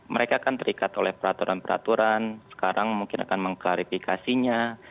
mereka akan terikat oleh peraturan peraturan sekarang mungkin akan mengklarifikasinya